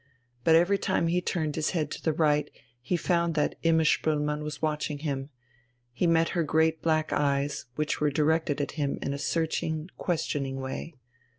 But every time he turned his head to the right he found that Imma Spoelmann was watching him he met her great black eyes, which were directed at him in a searching, questioning way.